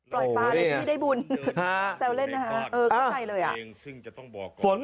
ปล่อยปลาในที่ได้บุญแซวเล่นนะฮะเออก็ใช่เลย